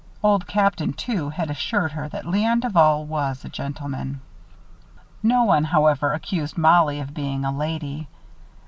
Old Captain, too, had assured her that Léon Duval was a gentleman. No one, however, accused Mollie of being a lady.